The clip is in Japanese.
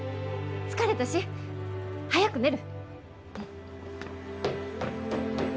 疲れたし早く寝る！